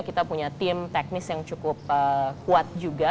kita punya tim teknis yang cukup kuat juga